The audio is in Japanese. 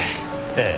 ええ。